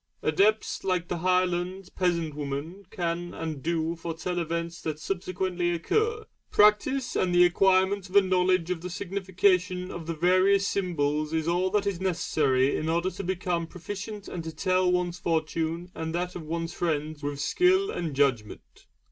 Adepts like the Highland peasant women can and do foretell events that subsequently occur, and that with remarkable accuracy. Practice and the acquirement of a knowledge of the signification of the various symbols is all that is necessary in order to become proficient and to tell one's fortune and that of one's friends with skill and judgment.